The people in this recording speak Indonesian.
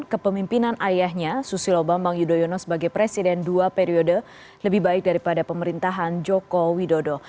kepemimpinan ayahnya susilo bambang yudhoyono sebagai presiden dua periode lebih baik daripada pemerintahan joko widodo